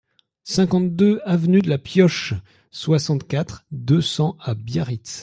cinquante-deux avenue de la Pioche, soixante-quatre, deux cents à Biarritz